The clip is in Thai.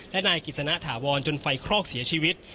และนายกิจสนะถาวรจนไฟคลอกเสียชีวิต